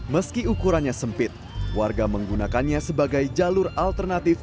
meski ukurannya sempit warga menggunakannya sebagai jalur alternatif